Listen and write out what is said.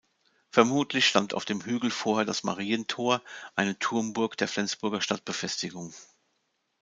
Vermutlich stand auf dem Hügel vorher das Marientor, eine Turmburg der Flensburger Stadtbefestigung.